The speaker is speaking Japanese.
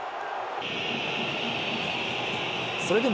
それでも、